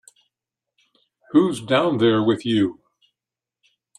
Who's down there with you?